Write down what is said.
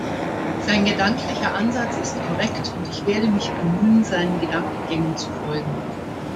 Sein gedanklicher Ansatz ist korrekt, und ich werde mich bemühen, seinen Gedankengängen zu folgen.